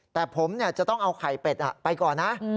แต่ผมจะต้องเอาไข่เป็ดไปก่อนนะ